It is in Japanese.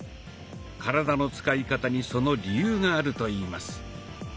体の使い方にその理由があるといいます。